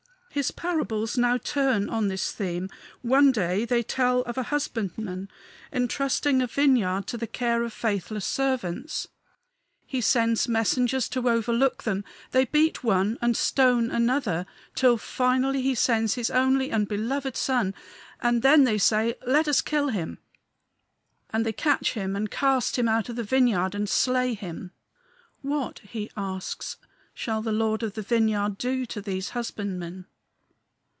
His parables now turn on this theme. One day they tell of a husbandman intrusting a vineyard to the care of faithless servants; he sends messengers to overlook them; they beat one and stone another, till finally he sends his only and beloved son, and then they say, "Let us kill him;" and they catch him and cast him out of the vineyard and slay him. "What," he asks, "shall the Lord of the vineyard do to these husbandmen?"